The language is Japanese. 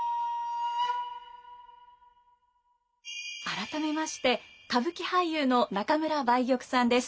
改めまして歌舞伎俳優の中村梅玉さんです。